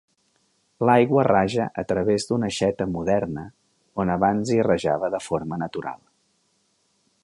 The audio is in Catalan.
L'aigua raja a través d'una aixeta moderna on abans hi rajava de forma natural.